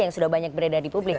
yang sudah banyak beredar di publik